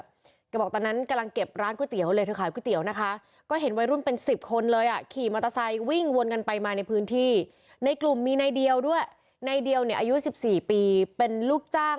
เกือบบอกตอนนั้นกำลังเก็บร้านก๋วยเตี๋ยวเลยเธอขายก๋วยเตี๋ยวนะคะ